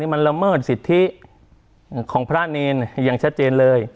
มันละเมิดสิทธิของพระเนรอย่างชัดเจนเลย